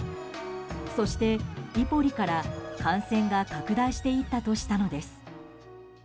そして、イポリから感染が拡大していったとしたのです。